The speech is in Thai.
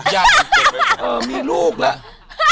เธอมีลูกเลย